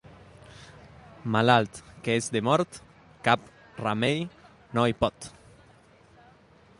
Malalt que és de mort, cap remei no hi pot.